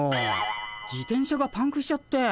自転車がパンクしちゃって。